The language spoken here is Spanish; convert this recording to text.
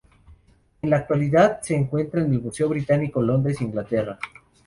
En la actualidad se encuentra en el Museo Británico, Londres, Inglaterra.